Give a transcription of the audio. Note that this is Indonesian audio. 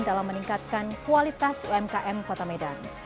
dalam meningkatkan kualitas umkm kota medan